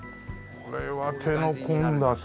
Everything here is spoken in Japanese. これは手の込んださあ。